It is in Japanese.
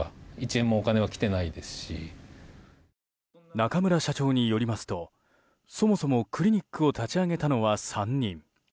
中村社長によりますとそもそも、クリニックを立ち上げたのは３人。